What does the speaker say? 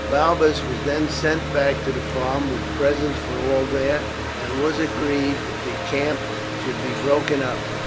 Balbus was then sent back to the farm with presents for all there, and it was agreed that the camp should be broken up.